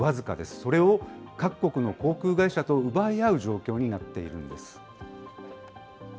それを各国の航空会社と奪い合う状況になっているんです。